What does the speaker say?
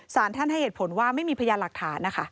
สารท่านให้เหตุผลว่าไม่มีพยานหลักฐานนะคะ